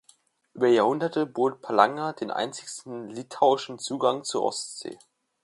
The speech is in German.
Über Jahrhunderte bot Palanga den einzigen litauischen Zugang zur Ostsee.